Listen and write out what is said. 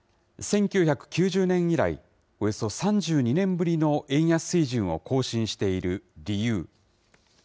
１９９０年以来、およそ３２年ぶりの円安水準を更新している理由。